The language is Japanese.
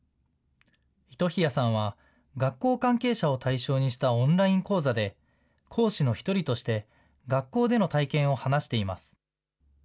糸日谷さんは、学校関係者を対象にしたオンライン講座で、講師の一人として、学校での体験を話しています。